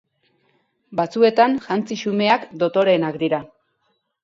Batzuetan, jantzi xumeak dotoreenak dira.